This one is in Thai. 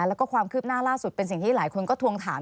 แล้วก็ความคืบหน้าล่าสุดเป็นสิ่งที่หลายคนก็ทวงถาม